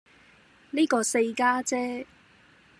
呢個四家姐